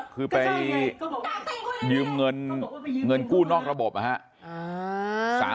คือไปยืมเงินกู้นอกระบบอะฮะ